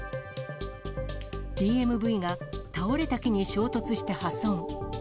ＤＭＶが倒れた木に衝突して破損。